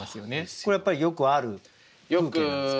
これやっぱりよくある風景なんですか？